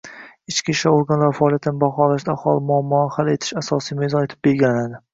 Ichki ishlar organlari faoliyatini baholashda aholi muammolarini hal etish asosiy mezon etib belgilanadi.